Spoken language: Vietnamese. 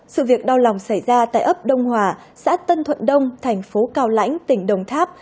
sự việc đau lòng xảy ra tại ấp đông hòa xã tân thuận đông thành phố cao lãnh tỉnh đồng tháp